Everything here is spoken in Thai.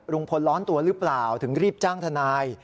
ร้อนตัวหรือเปล่าถึงรีบจ้างทนาย